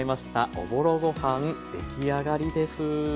おぼろご飯出来上がりです。